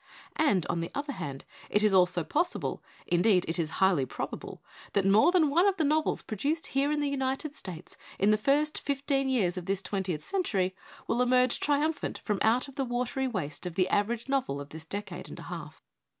And on the other hand it is also possible, indeed it is highly probable, that more than one of the novels pro duced here in the United States in the first fif teen years of this twentieth century will emerge triumphant from out of the watery waste of the average novel of this decade and a half.